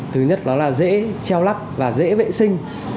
thứ nhất đó là dễ treo lắp và dễ vệ sinh